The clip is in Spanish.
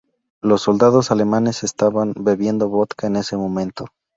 Los soldados alemanes estaban bebiendo vodka en ese momento.